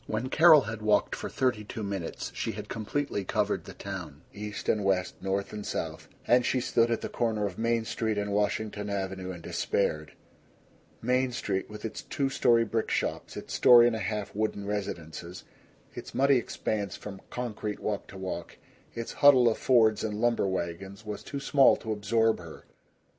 II When Carol had walked for thirty two minutes she had completely covered the town, east and west, north and south; and she stood at the corner of Main Street and Washington Avenue and despaired. Main Street with its two story brick shops, its story and a half wooden residences, its muddy expanse from concrete walk to walk, its huddle of Fords and lumber wagons, was too small to absorb her.